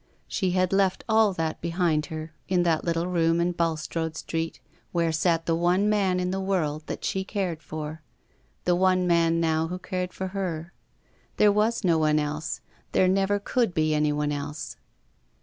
She had left all that behind her in that little room in Bulstrode Street, where sat the one man in the world that she cared for — the one man, now, who cared for her. There was no one else ; there never could be anyone else.